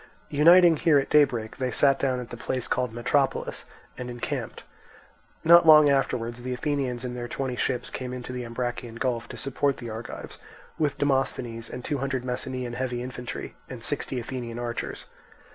Uniting here at daybreak, they sat down at the place called Metropolis, and encamped. Not long afterwards the Athenians in the twenty ships came into the Ambracian Gulf to support the Argives, with Demosthenes and two hundred Messenian heavy infantry, and sixty Athenian archers.